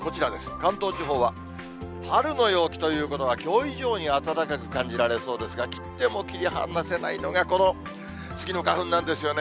関東地方は春の陽気ということは、きょう以上に暖かく感じられそうですが、切っても切り離せないのが、このスギの花粉なんですよね。